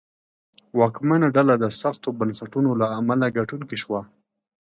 واکمنه ډله د سختو بنسټونو له امله ګټونکې شوه.